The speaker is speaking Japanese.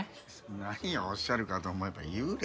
何をおっしゃるかと思えば幽霊ってハハッ。